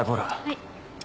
はい。